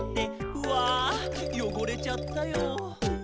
「うぁよごれちゃったよ」